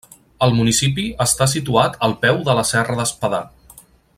El municipi està situat al peu de la Serra d'Espadà.